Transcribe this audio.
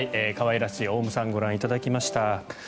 可愛らしいオウムさんご覧いただきました。